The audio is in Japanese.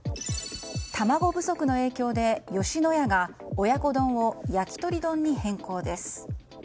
卵不足の影響で吉野家が親子丼を焼き鳥丼に変更です。